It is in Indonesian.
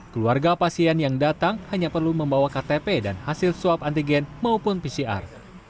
keluarga pasien yang datang hanya perlu membawa ktp dan hasil swab antigen maupun pcr